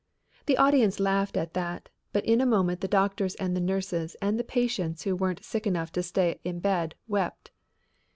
The audience laughed at that, but in a moment the doctors and the nurses and the patients who weren't sick enough to stay in bed wept.